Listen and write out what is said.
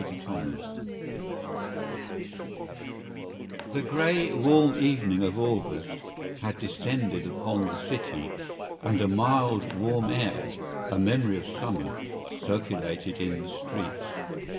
TWO GALLANTS The grey warm evening of August had descended upon the city and a mild warm air, a memory of summer, circulated in the streets.